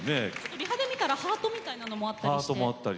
リハで見たらハートみたいなのもあったりして。